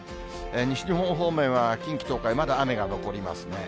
西日本方面は近畿、東海、まだ雨が残りますね。